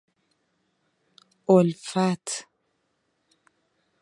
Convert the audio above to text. اُلفت